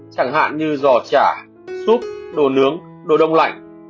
chẳng hạn như giò chả súp đồ nướng đồ đông lạnh